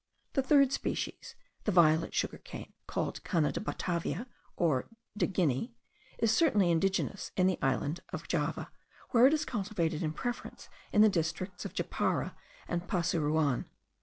The third species, the violet sugar cane, called Cana de Batavia, or de Guinea, is certainly indigenous in the island of Java, where it is cultivated in preference in the districts of Japara and Pasuruan.